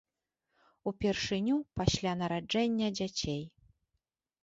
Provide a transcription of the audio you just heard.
Упершыню пасля нараджэння дзяцей.